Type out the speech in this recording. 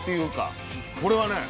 これはね